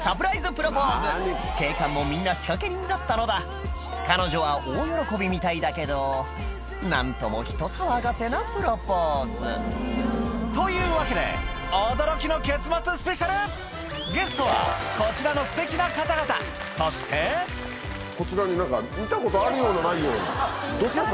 プロポーズ警官もみんな仕掛け人だったのだ彼女は大喜びみたいだけど何とも人騒がせなプロポーズというわけでゲストはこちらのすてきな方々そしてこちらに何か見たことあるようなないようなどちら様？